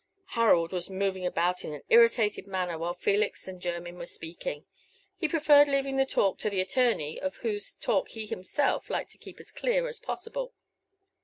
Harold was moving about in an irritated manner while Felix and Jermyn were speaking. He preferred leaving the talk to the attorney, of whose talk he himself liked to keep as clear as possible.